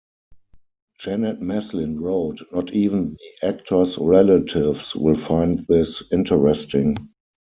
Janet Maslin wrote Not even the actors' relatives will find this interesting.